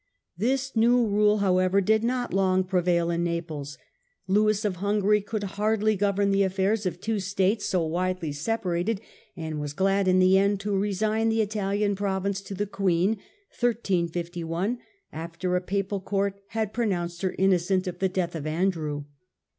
This new rule, however, did not long prevail in Naples. Lewis of Hungary could hardly govern the affairs of two States Restora so widely separated, and was glad in the end to resign j°.",^^/j^ the Italian Province to the Queen, after a Papal court ^^^i had pronounced her innocent of the death of Andrew.